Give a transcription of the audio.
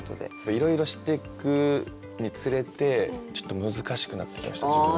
いろいろ知ってくにつれてちょっと難しくなってきました自分も。